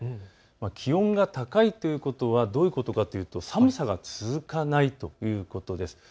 気温が高いということはどういうことかというと寒さが続かないということです。